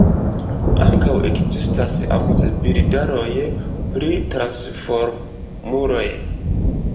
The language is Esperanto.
Ankaŭ ekzistas amuzbildaroj pri la Transformuloj.